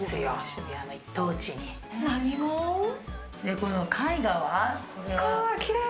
この絵画は？